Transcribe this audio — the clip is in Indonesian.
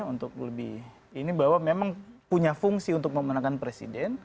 untuk lebih ini bahwa memang punya fungsi untuk memenangkan presiden